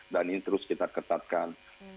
dan ini terus kita ketatkan